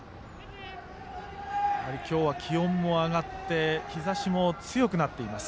今日は気温も上がって日ざしも強くなっています